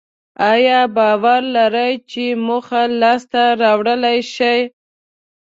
ایا باور لرئ چې موخه لاسته راوړلای شئ؟